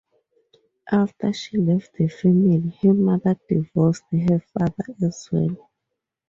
After she left the family her mother divorced her father as well.